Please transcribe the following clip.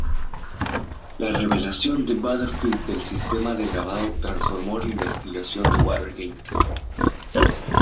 La revelación de Butterfield del sistema de grabado transformó la investigación de Watergate.